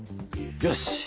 よし！